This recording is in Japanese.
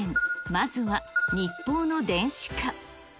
まずは日報の電子化。